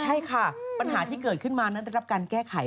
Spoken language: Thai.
ใช่ค่ะปัญหาที่เกิดขึ้นมานั้นได้รับการแก้ไข